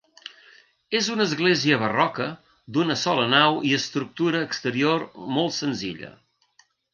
És una església barroca d'una sola nau i estructura exterior molt senzilla.